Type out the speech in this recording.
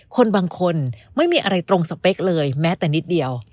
คนบางคนไม่มีอะไรตรงสเปคเลยแม้แต่นิดเดียว